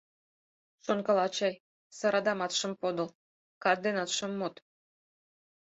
Шонкала чай: «Сырадамат шым подыл, карт денат шым мод.